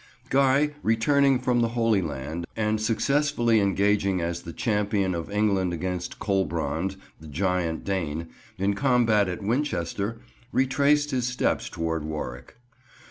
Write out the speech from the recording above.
Guy, returning from the Holy Land and successfully engaging as the champion of England against Colbrond, the giant Dane, in combat at Winchester, retraced his steps towards Warwick.